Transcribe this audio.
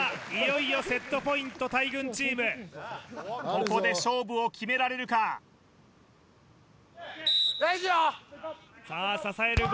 いよいよセットポイント大群チームここで勝負を決められるか大事よ！